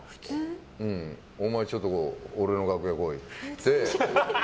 お前ちょっと俺の楽屋来いって。